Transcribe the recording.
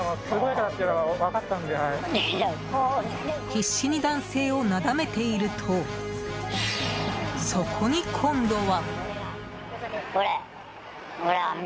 必死に男性をなだめているとそこに今度は。